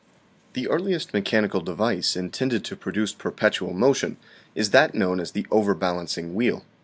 The earliest mechanical device intended to produce per petual motion is that known as the overbalancing wheel.